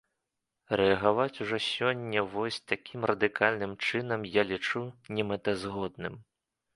Рэагаваць ужо сёння вось такім радыкальным чынам я лічу немэтазгодным.